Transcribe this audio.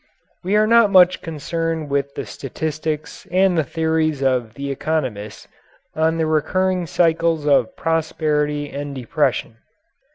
We are not much concerned with the statistics and the theories of the economists on the recurring cycles of prosperity and depression.